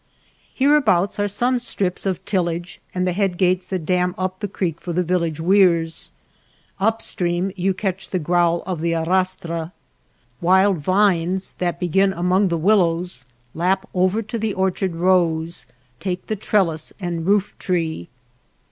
Hereabouts are some strips of tillage and the headgates that dam up the creek for the village weirs ; upstream you catch the growl of the arrastra. Wild vines that begin among the willows lap over to the orchard rows, take the trellis and roof tree.